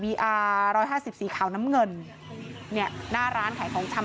บาล๑๕๔ข่าวน้ำเงินนี่หน้าร้านขายของชำ